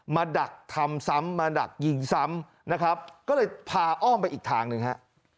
ดักทำซ้ำมาดักยิงซ้ำนะครับก็เลยพาอ้อมไปอีกทางหนึ่งฮะ